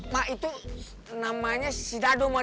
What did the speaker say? ma itu namanya si dadu ma dia temen ian ma